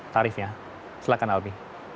tarifnya silahkan albi